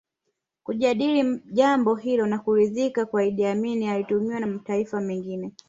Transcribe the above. Kujadili jambo hilo na kuridhika kuwa Idi Amin alitumiwa na mataifa mengine